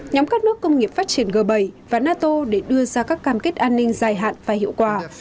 nhóm các nước công nghiệp phát triển g bảy và nato để đưa ra các cam kết an ninh dài hạn và hiệu quả